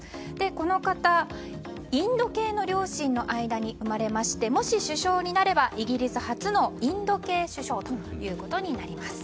この方、インド系の両親の間に生まれましてもし首相になれば、イギリス初のインド系首相となります。